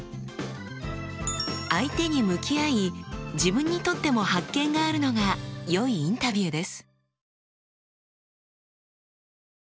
相手に向き合い自分にとっても発見があるのがよいインタビューです。